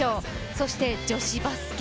そして女子バスケ